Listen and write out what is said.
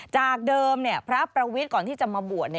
จากเดิมพระประวิทย์ก่อนที่จะมาบวช